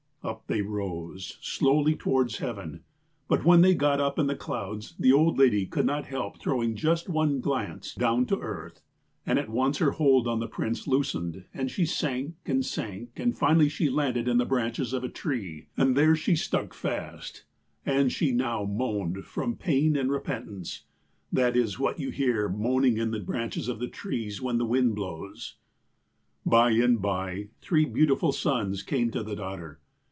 "Up they rose, slowly, towards heaven, but when they had got up into the clouds, the old lady could not help throwing just one glance down to earth, and at once her hold on the prince loosened, and she sank and sank, and, finally, she lauded in the branches of a tree, and there she stuck fast, and she now moaned from pain and repentance. That is what you hear moaning in the branches of the trees when the wind blows. "By and by, three beautiful sons came to the daugh ter.